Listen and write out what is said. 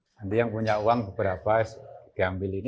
nanti yang punya uang beberapa diambil ini